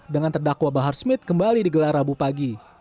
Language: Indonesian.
dengan terdakwa bahar smith kembali digelar rabu pagi